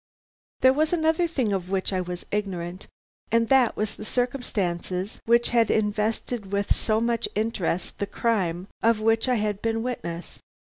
There was another thing of which I was ignorant, and that was the circumstances which had invested with so much interest the crime of which I had been witness.